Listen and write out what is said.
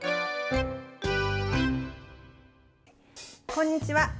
こんにちは。